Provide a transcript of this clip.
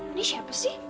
ini siapa sih